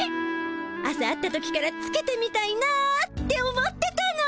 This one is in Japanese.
朝会った時からつけてみたいなって思ってたの。